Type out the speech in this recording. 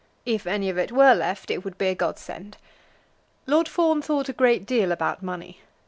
If any of it were left, it would be a godsend. Lord Fawn thought a great deal about money.